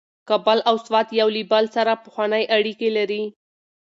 کابل او سوات یو له بل سره پخوانۍ اړیکې لري.